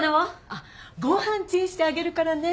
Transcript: あっご飯チンしてあげるからね。